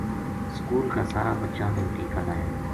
سکول کا سارا بچاں نا ٹیکہ لایا